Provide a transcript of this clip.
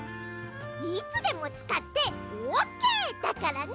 いつでもつかってオッケーだからね！